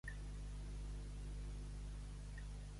L'home honrat mai en desafio es bat.